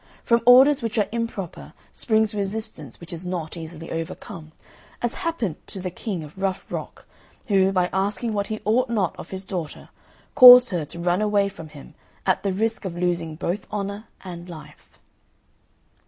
From orders which are improper springs resistance which is not easily overcome, as happened to the King of Rough Rock, who, by asking what he ought not of his daughter, caused her to run away from him, at the risk of losing both honour and life.